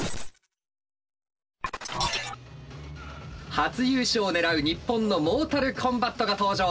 初優勝を狙う日本のモータルコンバットが登場。